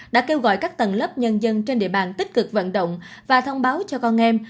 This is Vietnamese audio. đã kêu gọi các tầng lớp nhân dân trên địa bàn tích cực vận động và thông báo cho con em